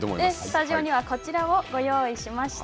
スタジオにはこちらをご用意しました。